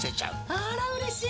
あらうれしい。